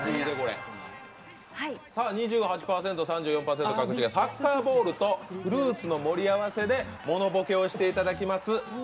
２８％、２３％でサッカーボールとフルーツの盛り合わせでモノボケをしていただきます。